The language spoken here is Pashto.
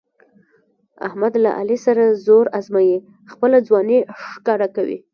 احمد له علي سره زور ازمیي، خپله ځواني ښکاره کوي.